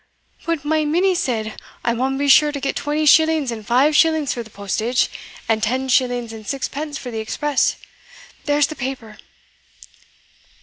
"But my minnie said, I maun be sure to get twenty shillings and five shillings for the postage, and ten shillings and sixpence for the express there's the paper."